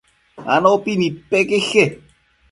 Anopi nidpeque